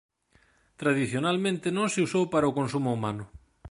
Tradicionalmente non se usou para o consumo humano.